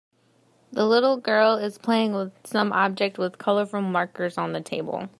The little girl is playing with some object with colorful markers on the table.